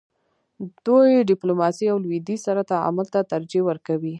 دوی ډیپلوماسۍ او لویدیځ سره تعامل ته ترجیح ورکوي.